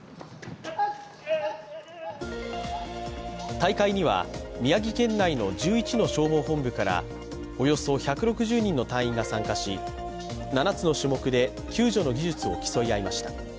大会には宮城県内の１１の消防本部からおよそ１６０人の隊員が参加し７つの種目で救助の技術を競い合いました。